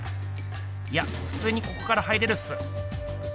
いやふつにここから入れるっす。